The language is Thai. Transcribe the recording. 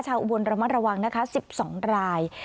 ชาวอุบวนรมรวังนะคะ๑๒ราย